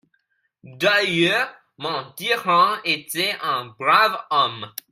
D'ailleurs mon tyran était un brave homme.